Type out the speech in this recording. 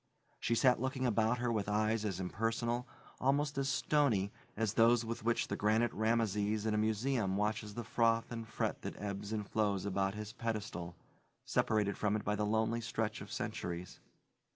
She sat looking about her with eyes as impersonal, almost as stony, as those with which the granite Rameses in a museum watches the froth and fret that ebbs and flows about his pedestal separated from it by the lonely stretch of centuries.